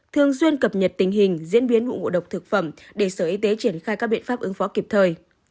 thường xuyên cập nhật tình hình diễn biến vụ ngộ độc thực phẩm để sở y tế triển khai các biện pháp ứng phó kịp thời